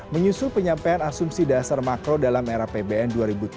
menyusul penyampaian asumsi dasar makro dalam era pbn dua ribu dua puluh tiga